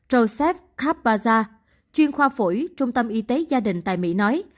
joseph karpaza chuyên khoa phủy trung tâm y tế gia đình tại mỹ nói